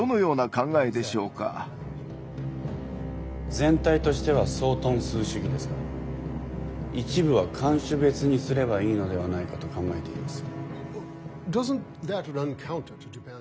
全体としては総トン数主義ですが一部は艦種別にすればいいのではないかと考えています。